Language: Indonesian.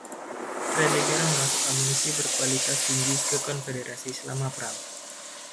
Tredegar memasok amunisi berkualitas tinggi ke Konfederasi selama perang.